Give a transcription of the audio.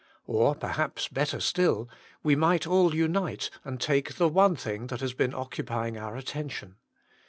Or, perhaps better still, we might all unite and take the one thing that has been occupying our atten tion.